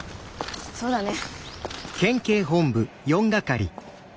そうだね。